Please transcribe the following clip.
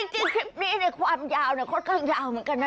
จริงคลิปนี้ในความยาวค่อนข้างยาวเหมือนกันนะ